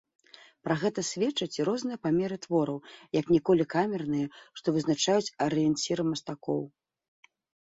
Пра гэта сведчаць і розныя памеры твораў, як ніколі камерныя, што вызначаюць арыенціры мастакоў.